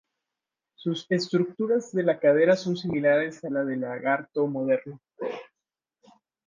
Sus estructuras de la cadera son similares a la del lagarto moderno.